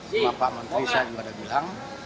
sempat pak menteri saya juga ada bilang